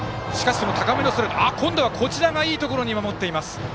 今度はこちらがいいところで守っていた。